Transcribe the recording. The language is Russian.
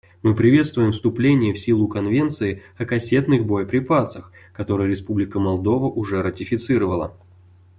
Мы приветствуем вступление в силу Конвенции о кассетных боеприпасах, которую Республика Молдова уже ратифицировала.